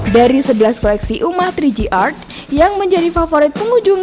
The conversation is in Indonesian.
dari sebelas koleksi umah tiga g art yang menjadi favorit pengunjung